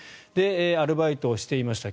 アルバイトをしていました。